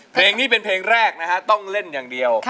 เพลงนี้เป็นเพลงแรกนะฮะต้องเล่นอย่างเดียว